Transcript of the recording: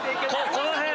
この辺。